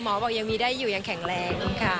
บอกยังมีได้อยู่ยังแข็งแรงค่ะ